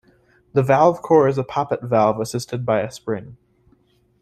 The valve core is a poppet valve assisted by a spring.